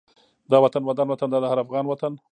دا وطن ودان وطن دا د هر افغان وطن